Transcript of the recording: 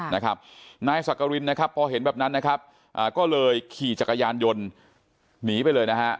นายสักกรินนะครับพอเห็นแบบนั้นนะครับก็เลยขี่จักรยานยนต์หนีไปเลยนะฮะ